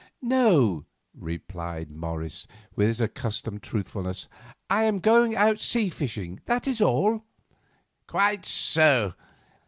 "No," replied Morris, with his accustomed truthfulness; "I am going out sea fishing, that is all." "Quite so.